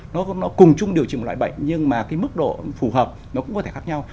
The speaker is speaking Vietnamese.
nó cùng chung điều chỉnh một loại bệnh nhưng mà cái mức độ phù hợp nó cũng có thể khác nhau